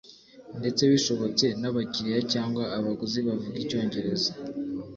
ndetse bishobotse n abakiriya cyangwa abaguzi bavuga Icyongereza